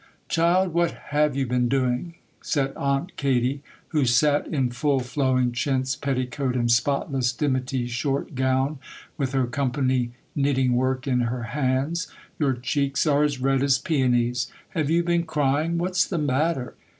'Child, what have you been doing?' said Aunt Katy, who sat in full flowing chintz petticoat and spotless dimity short gown, with her company knitting work in her hands; 'your cheeks are as red as peonies. Have you been crying? What's the matter?